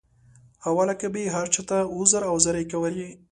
اوله کې به یې هر چاته عذر او زارۍ کولې.